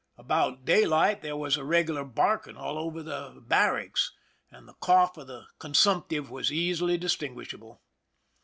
About daylight there was a regular barking all over the barracks, and the cough of the consumptive was easily distinguish able.